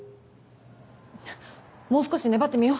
もう少し粘ってみよう！